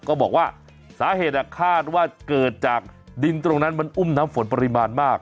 ก็บอกว่าสาเหตุคาดว่าเกิดจากดินตรงนั้นมันอุ้มน้ำฝนปริมาณมาก